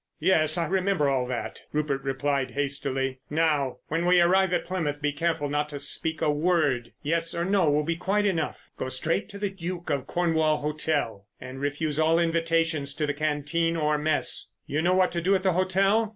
"Yes, I remember all that," Rupert replied hastily. "Now, when we arrive at Plymouth be careful not to speak a word. Yes or no will be quite enough. Go straight to the Duke of Cornwall Hotel, and refuse all invitations to the canteen or mess. You know what to do at the hotel?